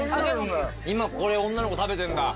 今これ女の子食べてんだ。